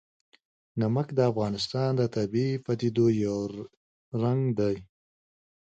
نمک د افغانستان د طبیعي پدیدو یو رنګ دی.